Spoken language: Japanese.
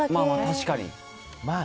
確かに。